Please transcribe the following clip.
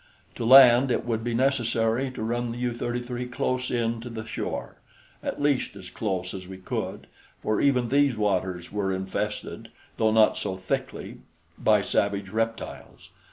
To land, it would be necessary to run the U 33 close in to the shore, at least as close as we could, for even these waters were infested, though, not so thickly, by savage reptiles.